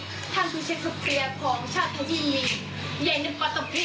หรือมันสำคัญอย่างไรใครรู้สึกบอกพี่